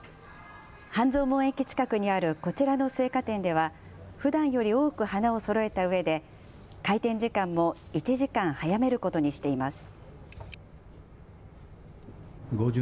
半蔵門駅近くにあるこちらの生花店では、ふだんより多く花をそろえたうえで、開店時間も１時間早めることにしています。